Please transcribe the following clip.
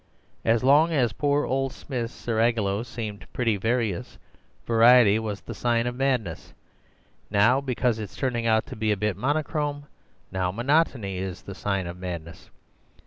As long as poor old Smith's seraglio seemed pretty various, variety was the sign of madness: now, because it's turning out to be a bit monochrome—now monotony is the sign of madness.